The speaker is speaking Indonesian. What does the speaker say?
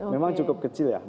memang cukup kecil ya